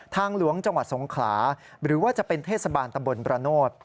ทางหลวงจังหวัดสงขลาหรือว่าจะเป็นเทศบาลตะบนประโนธ